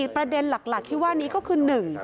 ประเด็นหลักที่ว่านี้ก็คือ๑